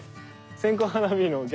線香花火の逆。